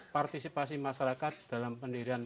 partisipasi masyarakat dalam pendirian